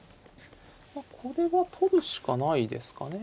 これは取るしかないですかね。